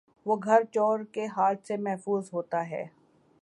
وہ گھر چورکے ہاتھ سے ممحفوظ ہوتا ہے